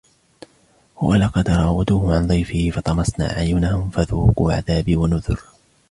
وَلَقَدْ رَاوَدُوهُ عَنْ ضَيْفِهِ فَطَمَسْنَا أَعْيُنَهُمْ فَذُوقُوا عَذَابِي وَنُذُرِ